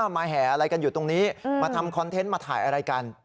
แห่อะไรกันอยู่ตรงนี้มาทำคอนเทนต์มาถ่ายอะไรกัน